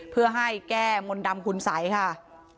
เพื่อให้แก้มนต์ดำคุณสัยค่ะ